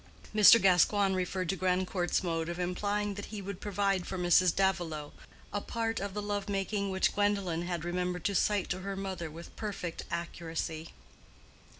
Mr. Gascoigne referred to Grandcourt's mode of implying that he would provide for Mrs. Davilow—a part of the love making which Gwendolen had remembered to cite to her mother with perfect accuracy.